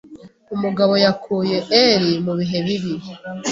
Umugabo yakuye Ellie mubihe bibi.